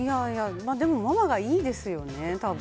でもママがいいですよね、多分。